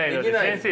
先生！